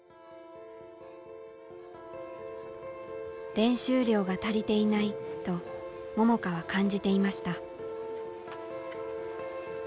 「練習量が足りていない」と桃佳は感じていました。